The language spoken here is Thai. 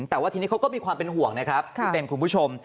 แต่ว่าทีนี้เขาก็มีความเป็นห่วงนะครับพี่เบนคุณผู้ชม